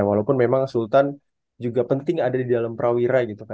walaupun memang sultan juga penting ada di dalam prawira gitu kan